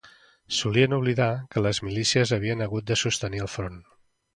Solien oblidar que les milícies havien hagut de sostenir el front